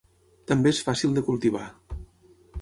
També és fàcil de cultivar.